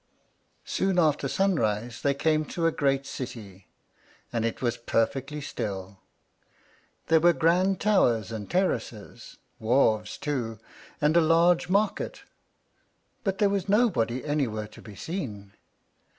Soon after sunrise they came to a great city, and it was perfectly still. There were grand towers and terraces, wharves, too, and a large market, but there was nobody anywhere to be seen.